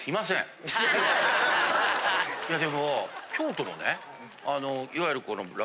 いやでも京都もねいわゆるこの。え！？